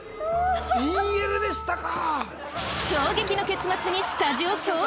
ＢＬでしたか！